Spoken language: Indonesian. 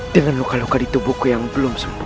dengan luka luka di tubuhku yang belum sembuh